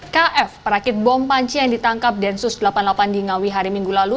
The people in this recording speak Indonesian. kf perakit bom panci yang ditangkap densus delapan puluh delapan di ngawi hari minggu lalu